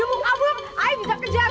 you mau abruk ay bisa kejar